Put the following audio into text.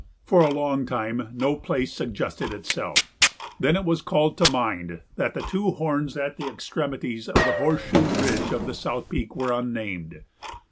For a long time no place suggested itself; then it was called to mind that the two horns at the extremities of the horseshoe ridge of the South Peak were unnamed.